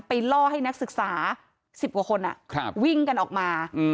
ล่อให้นักศึกษา๑๐กว่าคนวิ่งกันออกมา